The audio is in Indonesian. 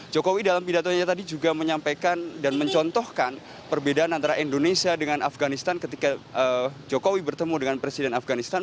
jokowi dalam pidatonya tadi juga menyampaikan dan mencontohkan perbedaan antara indonesia dengan afganistan ketika jokowi bertemu dengan presiden afganistan